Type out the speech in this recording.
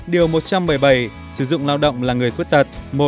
điều một trăm bảy mươi bảy sử dụng lao động là người khuyết tật